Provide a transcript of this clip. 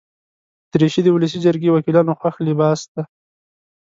دریشي د ولسي جرګې وکیلانو خوښ لباس دی.